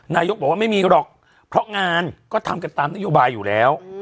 นายกบอกว่าไม่มีหรอกเพราะงานก็ทำกันตามนโยบายอยู่แล้ว